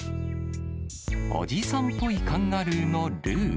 おじさんっぽいカンガルーのルー。